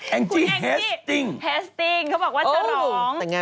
แองจิเฮสติงก์ค่ะหรือเปล่าหรือเปล่า